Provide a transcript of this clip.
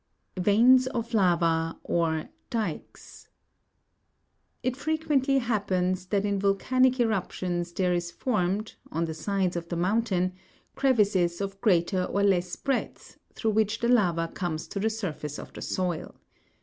Veins of Lava, or Dykes. It frequently happens, that in volcanic eruptions there is formed, on the sides of the mountain, crevices of greater or less breadth, through which the lava comes to the surface of the soil.